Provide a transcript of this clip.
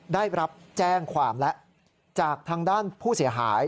ได้รับแจ้งความแล้วจากทางด้านผู้เสียหาย